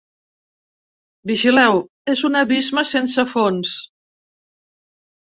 Vigileu, és un abisme sense fons!